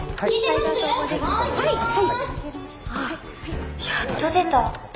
「あっやっと出た」